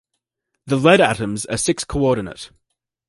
The lead atoms are six-coordinate.